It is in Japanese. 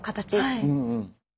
はい。